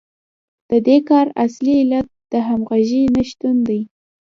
د دې کار اصلي علت د همغږۍ نشتون دی